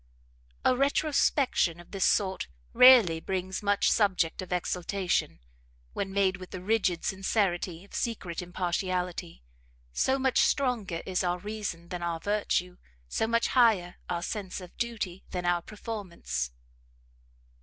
A retrospection of this sort rarely brings much subject of exultation, when made with the rigid sincerity of secret impartiality: so much stronger is our reason than our virtue, so much higher our sense of duty than our performance!